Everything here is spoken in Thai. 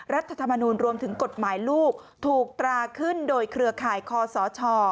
รัฐธรรมนูลรวมถึงกฎหมายลูกถูกตราขึ้นโดยเครือข่ายคอสช